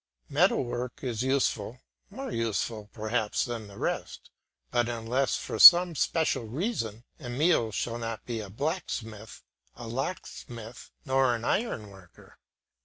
Metal work is useful, more useful, perhaps, than the rest, but unless for some special reason Emile shall not be a blacksmith, a locksmith nor an iron worker.